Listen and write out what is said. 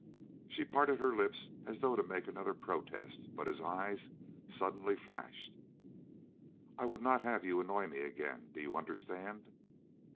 She parted her lips as though to make another protest, but his eyes suddenly flashed. "I would not have you annoy me again. Do you understand?"